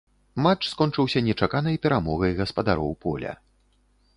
Матч скончыўся нечаканай перамогай гаспадароў поля.